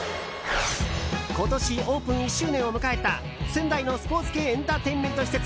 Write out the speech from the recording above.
今年オープン１周年を迎えた仙台のスポーツ系エンターテインメント施設